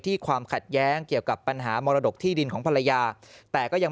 ความขัดแย้งเกี่ยวกับปัญหามรดกที่ดินของภรรยาแต่ก็ยัง